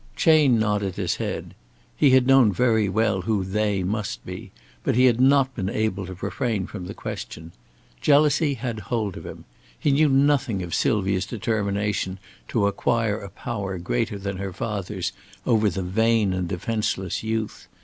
Chayne nodded his head. He had known very well who "they" must be, but he had not been able to refrain from the question. Jealousy had hold of him. He knew nothing of Sylvia's determination to acquire a power greater than her father's over the vain and defenceless youth.